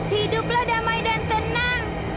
hiduplah damai dan tenang